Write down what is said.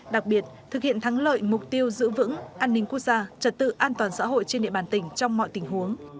đặc biệt thực hiện thắng lợi mục tiêu giữ vững an ninh quốc gia trật tự an toàn xã hội trên địa bàn tỉnh trong mọi tình huống